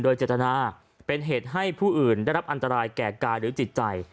โดยเจตนาเป็นเหตุให้ผู้อื่นได้รับอันตรายแก่กายหรือจิตใจ